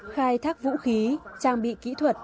khai thác vũ khí trang bị kỹ thuật